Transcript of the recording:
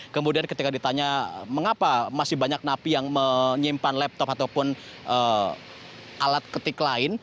kemudian ketika ditanya mengapa masih banyak napi yang menyimpan laptop ataupun alat ketik lain